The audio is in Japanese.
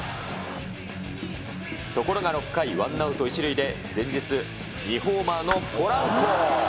ところが６回、ワンアウト１塁で、前日、２ホーマーのポランコ。